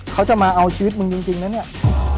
เขาจะมาเอาชีวิตมึงจริงนะเนี่ย